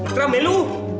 terima kasih lu